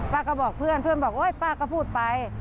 ป้าก็บอกเพื่อนบอกป้าก็พูดไป